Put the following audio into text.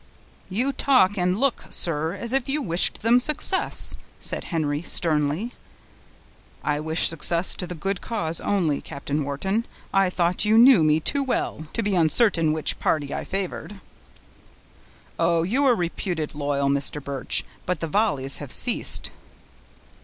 "You talk and look, sir, as if you wished them success," said Henry, sternly. "I wish success to the good cause only, Captain Wharton. I thought you knew me too well, to be uncertain which party I favored." "Oh! you are reputed loyal, Mr. Birch. But the volleys have ceased!"